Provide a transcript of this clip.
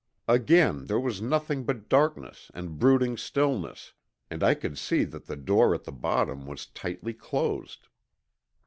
Again there was nothing but darkness and brooding stillness, and I could see that the door at the bottom was tightly closed.